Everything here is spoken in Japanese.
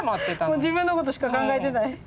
もう自分のことしか考えてない。